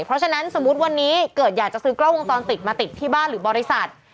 เพราะฉะนั้นสมมุติวันนี้เกิดอยากจะซื้อกล้องวงจรปิดมาติดที่บ้านหรือบริษัท